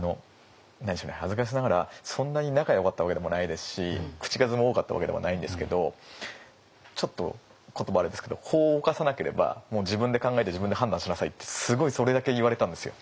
恥ずかしながらそんなに仲よかったわけでもないですし口数も多かったわけでもないんですけどちょっと言葉あれですけど「法を犯さなければ自分で考えて自分で判断しなさい」ってすごいそれだけ言われたんですよ。